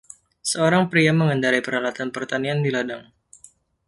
Seorang pria mengendarai peralatan pertanian di ladang.